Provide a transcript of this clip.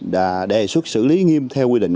và đề xuất xử lý nghiêm theo quy định